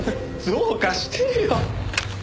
どうかしてるよ。